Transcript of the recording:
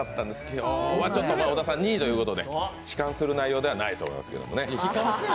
今日は小田さん、２位ということで悲観する内容ではないと思いますけどね。